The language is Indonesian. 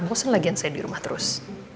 bukan lagi yang saya di rumah terus